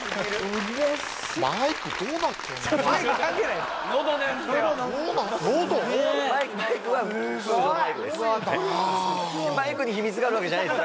すごいなマイクに秘密があるわけじゃないです